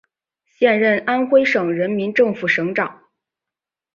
现任安徽省人民政府省长。